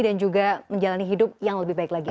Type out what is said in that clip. dan juga menjalani hidup yang lebih baik lagi